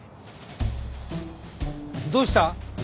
どうした？